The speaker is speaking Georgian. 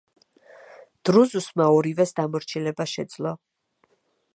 დრუზუსმა ორივეს დამორჩილება შეძლო.